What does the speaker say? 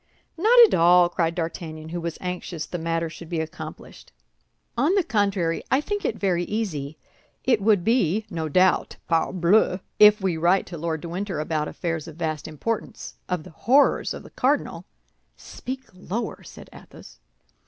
"Not at all," cried D'Artagnan, who was anxious the matter should be accomplished; "on the contrary, I think it very easy. It would be, no doubt, parbleu, if we write to Lord de Winter about affairs of vast importance, of the horrors of the cardinal—" "Speak lower!" said Athos.